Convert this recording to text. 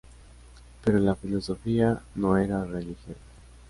Pero la filosofía no era religión.